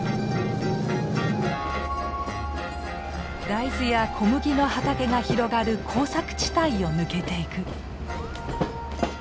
大豆や小麦の畑が広がる耕作地帯を抜けていく。